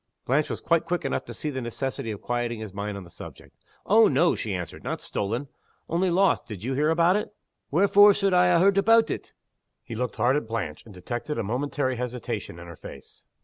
Blanche was quite quick enough to see the necessity of quieting his mind on this point. "Oh no!" she answered. "Not stolen. Only lost. Did you hear about it?" "Wherefore suld I ha' heard aboot it?" He looked hard at Blanche and detected a momentary hesitation in her face.